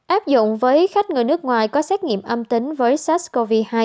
áp dụng với khách người nước ngoài có xét nghiệm âm tính với sars cov hai